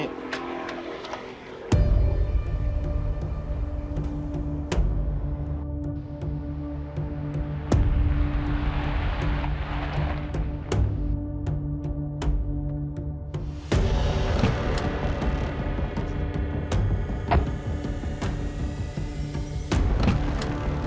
นิด